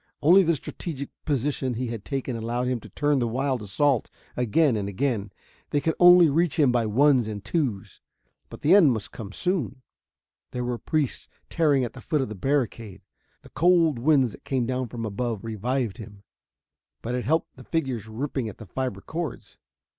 Only the strategic position he had taken allowed him to turn the wild assault again and again. They could only reach him by ones and twos, but the end must come soon. There were priests tearing at the foot of the barricade.... The cold winds that came down from above revived him, but it helped the figures ripping at the fiber cords.